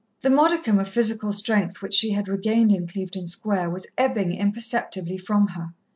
The modicum of physical strength which she had regained in Clevedon Square was ebbing imperceptibly from her.